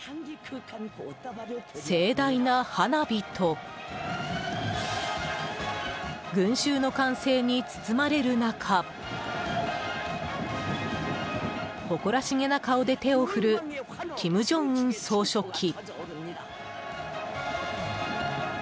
盛大な花火と群衆の歓声に包まれる中誇らしげな顔で手を振る金正恩総書記。